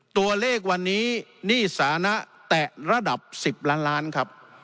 ตัวเลขวันนี้หนี้สานะแตะระดับ๑๐ล้านล้านครับ